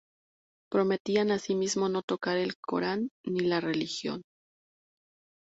Prometían asimismo no tocar el Corán ni la religión.